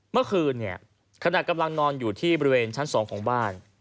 เมื่อคืนเนี่ยขณะกำลังนอนอยู่ที่บริเวณชั้น๒ของบ้าน